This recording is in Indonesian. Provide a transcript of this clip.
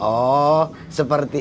oh seperti itu